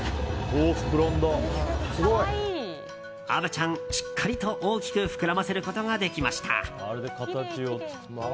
虻ちゃん、しっかりと大きく膨らませることができました。